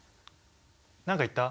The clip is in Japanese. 何か言った？